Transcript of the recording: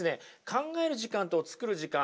考える時間と作る時間